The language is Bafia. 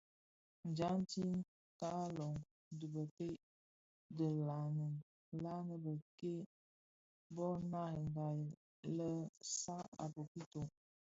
Djanti, Kaaloň dhi bëpeï bi nlanèn anèn bek-kè bō nariya lè saad a bokito.